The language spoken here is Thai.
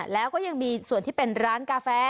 แล้วก็ยังมีส่วนที่เป็นร้านกาแฟ